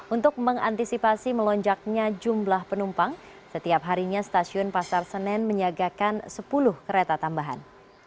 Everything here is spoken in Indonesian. untuk mengantisipasi melonjaknya jumlah penumpang setiap harinya stasiun pasar senen menyiagakan sepuluh kereta tambahan